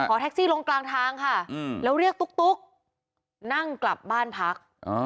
แท็กซี่ลงกลางทางค่ะแล้วเรียกตุ๊กนั่งกลับบ้านพัก